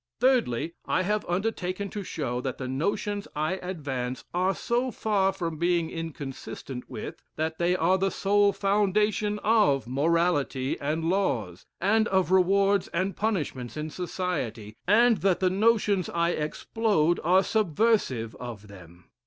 Thirdly, I have undertaken to show, that the notions I advance are so far from being inconsistent with, that they are the sole foundation of morality and laws, and of rewards and punishments in society, and that the notions I explode are subversive of them.